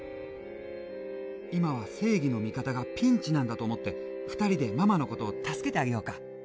今は正義の味方がピンチなんだと思って２人でママのことを助けてあげようか。